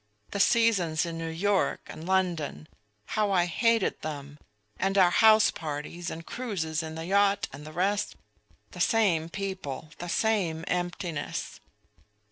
The seasons in New York and London! How I hated them! And our house parties and cruises in the yacht and the rest the same people, the same emptiness!